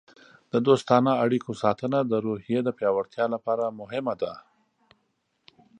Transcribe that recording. د دوستانه اړیکو ساتنه د روحیې د پیاوړتیا لپاره مهمه ده.